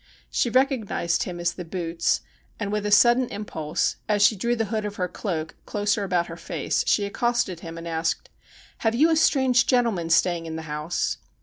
She recognised him as the boots, and with a sudden impulse, as she drew the hood of her cloak closer about her face, she accosted him, and asked :' Have you a strange gentleman staying in the house